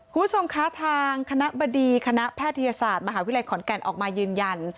คุณผู้ชมคะทางคณะบดีคณะแพทยศาสตร์มหาวิทยาลัยขอนแก่นออกมายืนยัน